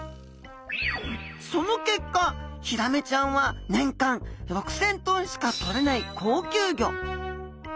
その結果ヒラメちゃんは年間６，０００トンしかとれない高級魚。